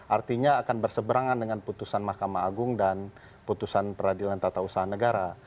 artinya akan berseberangan dengan putusan mahkamah agung dan putusan peradilan tata usaha negara